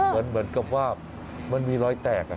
เหมือนกับว่ามันมีร้อยแตกนะครับ